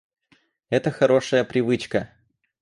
Это хорошая привычка